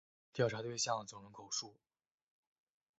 调查对象总人口数